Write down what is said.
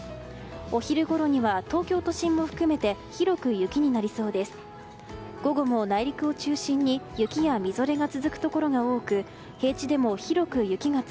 お昼ごろには東京都心も含めて広く雪になりそうです。